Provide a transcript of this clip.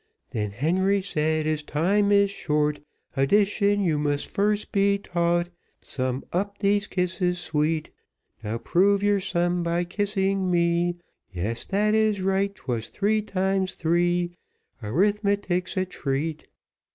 Then Harry said, "As time is short, Addition you must first be taught; Sum up these kisses sweet; "Now prove your sum by kissing me: Yes, that is right, 'twas three times three Arithmetic's a treat.